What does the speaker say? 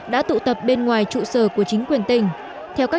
đã tụ tập bên ngoài trụ sở của chính quyền tỉnh